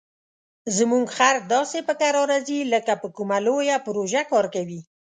زموږ خر داسې په کراره ځي لکه په کومه لویه پروژه کار کوي.